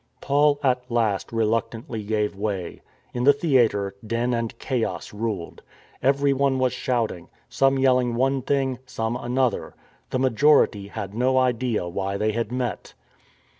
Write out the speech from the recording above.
Paul, at last, reluctantly gave way. In the theatre din and chaos ruled. Everyone was shouting: some yelling one thing, some another. The majority had no idea why they had met.